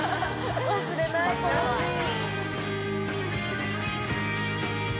忘れないこのシーン。